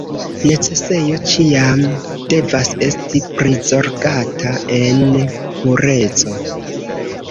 Necesejo ĉiam devas esti prizorgata en pureco.